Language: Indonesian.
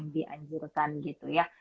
dianjurkan gitu ya